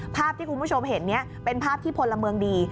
ภาพที่คุณผู้ชมเห็นนี้เป็นภาพที่พลเมืองดี